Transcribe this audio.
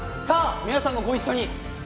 さあ皆さんもご一緒に。